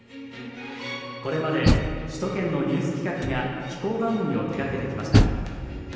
これまで首都圏のニュース企画や紀行番組を手がけてきました。